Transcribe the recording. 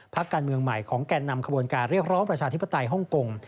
พักการเมืองใหม่ของแก่นำขบวนการเรียกร้องประชาธิปไตยฮ่องกง